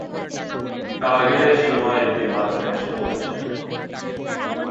টার্গেটের সীমায় একটা বাচ্চা এসে পড়েছে।